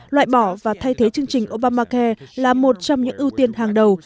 loại bỏ và thay thế chương trình obamacare là một trong những ưu tiên hàng đầu